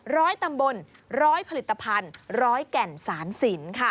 ร้อยตำบลร้อยผลิตภัณฑ์ร้อยแก่นสารสินค่ะ